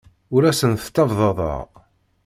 Ur asent-ttabdadeɣ.